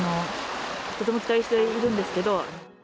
とても期待しているんですけど。